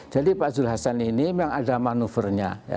jadi pak zul hasan ini memang ada manuvernya